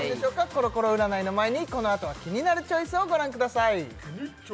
コロコロ占いの前にこの後は「キニナルチョイス」をご覧ください